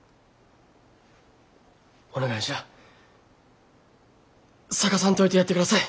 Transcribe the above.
お願いじゃ捜さんといてやってください。